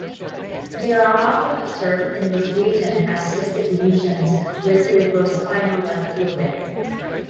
They are often observed in this region as cystic lesions with cerebrospinal-like fluid.